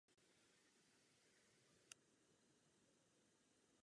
Užívá se k přípravě studených i teplých jídel po celém světě.